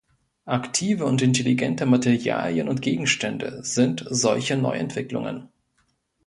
Aktive und intelligente Materialien und Gegenstände sind solche Neuentwicklungen.